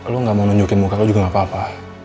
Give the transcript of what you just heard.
lo gak mau nunjukin muka lu juga gak apa apa